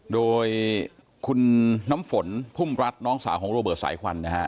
โดยคุณน้ำฝนพุ่มรัฐน้องสาวของโรเบิร์ตสายควันนะฮะ